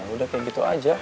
udah kayak gitu aja